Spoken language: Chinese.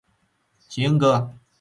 行，哥！